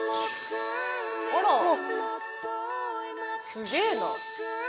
すげえな。